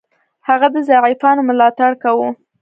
هغه د ضعیفانو ملاتړ کاوه.